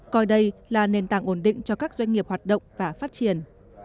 coi đây là nền tảng ổn định cho các doanh nghiệp hoạt động và phát triển